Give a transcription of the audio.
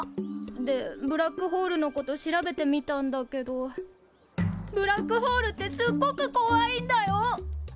でブラックホールのこと調べてみたんだけどブラックホールってすっごくこわいんだよ！